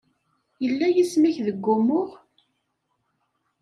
Yella yisem-ik deg umuɣ?